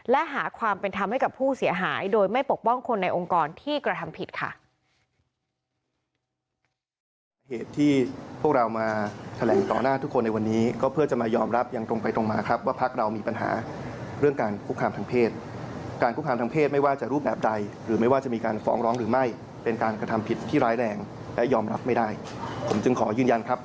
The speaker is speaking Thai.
และหาความเป็นธรรมให้กับผู้เสียหายโดยไม่ปกป้องคนในองค์กรที่กระทำผิดค่ะ